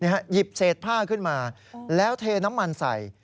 หยิบเศษผ้าขึ้นมาแล้วเทน้ำมันใส่